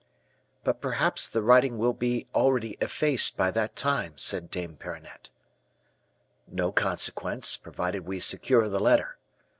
"'But perhaps the writing will be already effaced by that time,' said Dame Perronnette. "'No consequence, provided we secure the letter.